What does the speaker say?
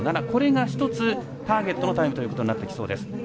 これが１つターゲットのタイムということになってきそうです。